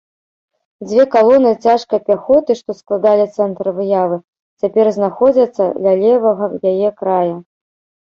Дзве калоны цяжкай пяхоты, што складалі цэнтр выявы, цяпер знаходзяцца ля левага яе края.